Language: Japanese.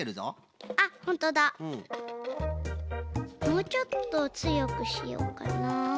もうちょっとつよくしようかな。